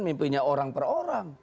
mimpinya orang per orang